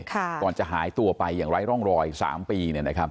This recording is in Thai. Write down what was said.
ก่อนจะหายตัวไปอย่างไร้ร่องรอย๓ปี